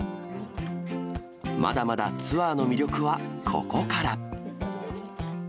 まだまだツアーの魅力はここから。